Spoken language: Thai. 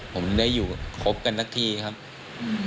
ผมได้อยู่ครบกันสักทีครับอืม